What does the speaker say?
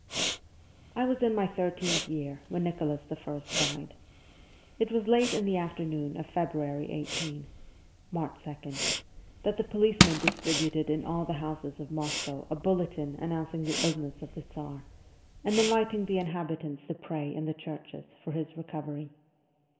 I was in my thirteenth year when Nicholas I. died. It was late in the afternoon of February 18 (March 2), that the policemen distributed in all the houses of Moscow a bulletin announcing the illness of the Tsar, and inviting the inhabitants to pray in the churches for his recovery.